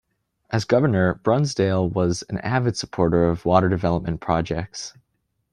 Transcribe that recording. As governor, Brunsdale was an avid supporter of water development projects.